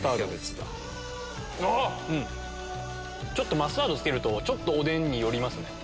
マスタードつけるとちょっとおでんに寄りますね。